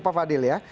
pap fadil ya